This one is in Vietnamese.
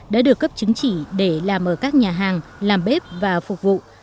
đã được cấp chứng chỉ để làm ở các nhà hàng làm bếp và phục vụ